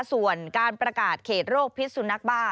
ส่วนการประกาศเขตโรคพิษสุนัขบ้า